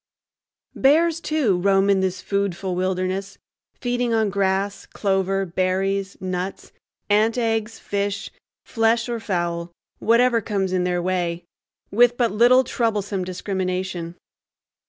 Bears, too, roam this foodful wilderness, feeding on grass, clover, berries, nuts, ant eggs, fish, flesh, or fowl,—whatever comes in their way,—with but little troublesome discrimination.